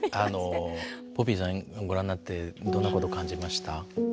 ポピーさんご覧になってどんなこと感じました？